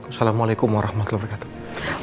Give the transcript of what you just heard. assalamualaikum warahmatullahi wabarakatuh